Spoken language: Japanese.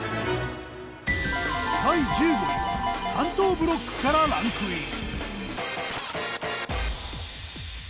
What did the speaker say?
第１５位は関東ブロックからランクイン。